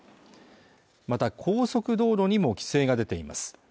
また高速道路にも規制が出ています